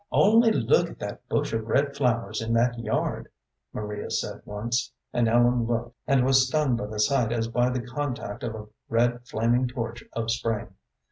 "Only look at that bush of red flowers in that yard," Maria said once, and Ellen looked and was stung by the sight as by the contact of a red flaming torch of spring.